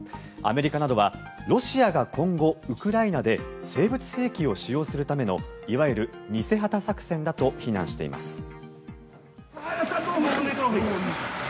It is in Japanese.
アメリカなどはロシアが今後、ウクライナで生物兵器を使用するためのいわゆる偽旗作戦だと非難しています。